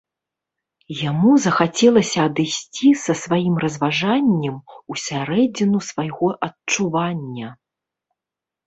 Яму захацелася адысці са сваім разважаннем усярэдзіну свайго адчування.